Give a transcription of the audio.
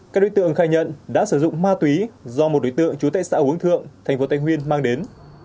các đối tượng khai nhận đã sử dụng ma túy do một đối tượng chú tệ xã hướng thượng tp thái nguyên mang đến